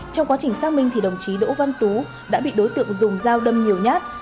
trong quá trình xác minh thì đồng chí đỗ văn tú đã bị đối tượng dùng dao đâm nhiều nhát